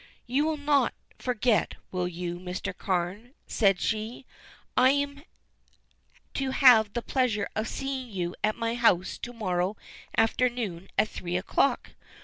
"You will not forget, will you, Mr. Carne?" she said. "I am to have the pleasure of seeing you at my house to morrow afternoon at three o'clock.